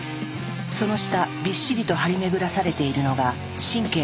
その下びっしりと張り巡らされているのが神経だ。